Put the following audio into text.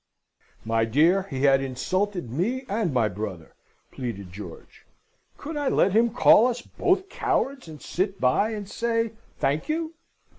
"My dear, he had insulted me and my brother," pleaded George. "Could I let him call us both cowards, and sit by and say, Thank you?"